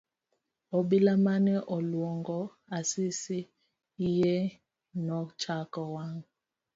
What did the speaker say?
Obila mane oluongo Asisi iye nochako wang'.